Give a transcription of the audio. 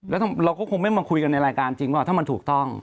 แล้วเราก็คงไม่มาคุยกันในรายการจริงว่าถ้ามันถูกต้อง